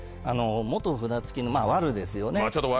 元札付きのワルですよね